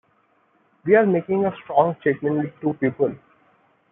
We're making a strong statement with two people.